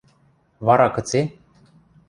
— Вара кыце?..